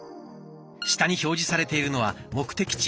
下に表示されているのは目的地